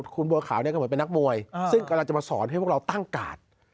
คุณบัวขาวเนี่ยก็เหมือนเป็นนักมวยซึ่งกำลังจะมาสอนให้พวกเราตั้งกาด